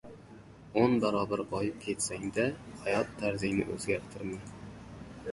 O‘n barobar boyib ketsangda, hayot tarzingni o‘zgartirma.